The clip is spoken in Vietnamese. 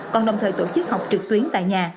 còn đồng thời tổ chức học trực tuyến tại nhà